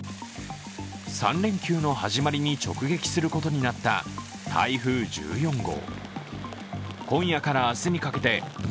３連休の始まりに直撃することになった台風１４号。